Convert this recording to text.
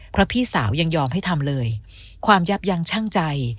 เพราะพี่สาวยังยอมให้ทำเลยความยับยั้งชั่งใจ